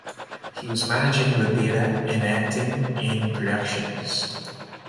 He was managing the theatre and acting in productions.